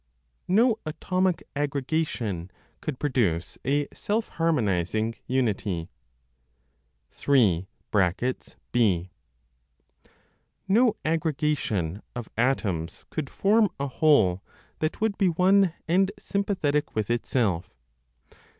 NO ATOMIC AGGREGATION COULD PRODUCE A SELF HARMONIZING UNITY. 3. (b.) (No aggregation of atoms could form a whole that would be one and sympathetic with itself.)